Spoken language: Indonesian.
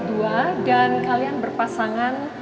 dua dan kalian berpasangan